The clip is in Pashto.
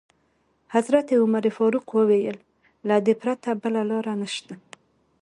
حضرت عمر فاروق وویل: له دې پرته بله لاره نشته.